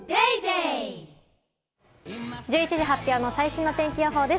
１１時発表の最新の天気予報です。